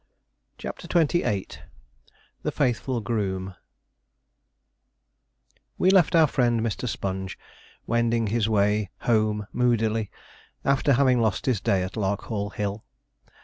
CHAPTER XXVIII THE FAITHFUL GROOM We left our friend Mr. Sponge wending his way home moodily, after having lost his day at Larkhall Hill.